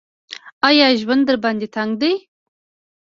ایا ژوند درباندې تنګ دی ؟